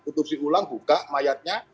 utupsi ulang buka mayatnya